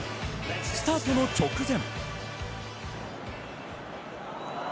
スタートの直前。